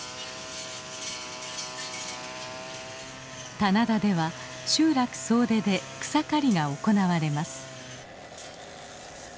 棚田では集落総出で草刈りが行われます。